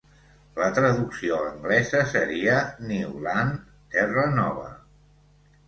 La traducció anglesa seria "new land" (terra nova).